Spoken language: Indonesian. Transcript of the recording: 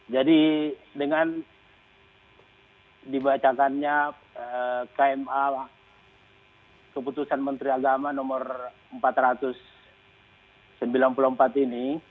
jadi dengan dibacakannya kma keputusan menteri agama nomor empat ratus sembilan puluh empat ini